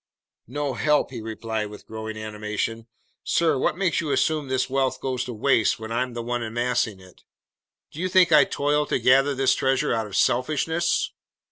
"No help!" he replied with growing animation. "Sir, what makes you assume this wealth goes to waste when I'm the one amassing it? Do you think I toil to gather this treasure out of selfishness?